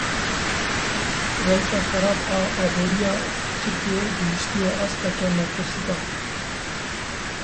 Rewşa xerab a aboriya Tirkiyeyê gihîştiye asteke metirsîdar.